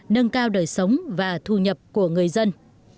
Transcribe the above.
nâng cao đời sống và thu nhập của người dân